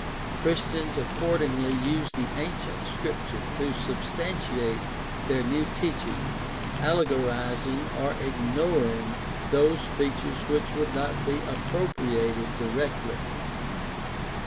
Christians accordingly used the ancient Scripture to substantiate their new teaching, allegorizing or ignoring those features which could not be appropriated directly.